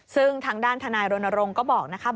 ซึ่งทางด้านทนาโรนโลงก็บอกนะค่ะ